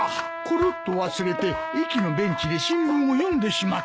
ころっと忘れて駅のベンチで新聞を読んでしまった！